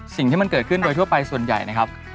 สิ่งที่มันเกิดขึ้นโดยทั่วไปส่วนใหญ่นะครับ